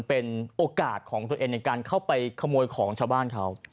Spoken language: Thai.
เป็นโอกาสของตัวเองในการเข้าไปขโมยของชาวบ้านเขา